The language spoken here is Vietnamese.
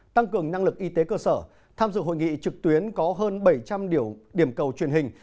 tăng cường năng lực y tế cơ sở tham dự hội nghị trực tuyến có hơn bảy trăm linh điểm cầu truyền hình